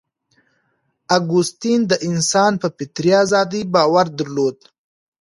اګوستین د انسان په فطري ازادۍ باور درلود.